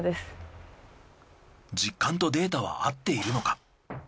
実感とデータは合っているのか？